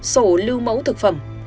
sổ lưu mẫu thực phẩm